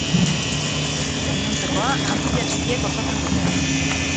Gainontzekoa Antilla Txikiek osatzen dute.